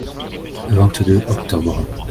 Vingt-deux octobre.